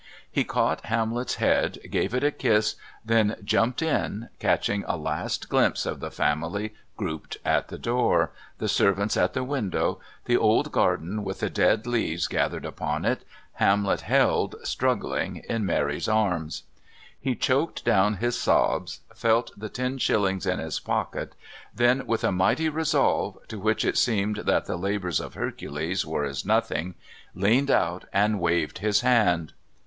He caught Hamlet's head, gave it a kiss, then jumped in, catching a last glimpse of the family grouped at the door, the servants at the window, the old garden with the dead leaves gathered upon it, Hamlet held, struggling, in Mary's arms. He choked down his sobs, felt the ten shillings in his pocket, then with a mighty resolve, to which it seemed that the labours of Hercules were as nothing, leaned out and waved his hand.